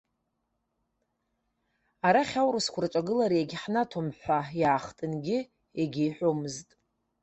Арахь аурысқәа рҿагылара егьҳнаҭом ҳәа иаахтынгьы егьиҳәомызт.